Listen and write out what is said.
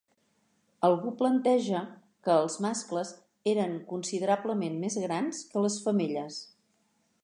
Algú planteja que els mascles eren considerablement més grans que les femelles.